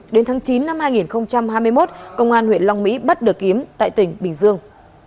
đến tháng chín năm hai nghìn hai mươi một công an huyện long mỹ bắt được kiếm tại tỉnh bình dương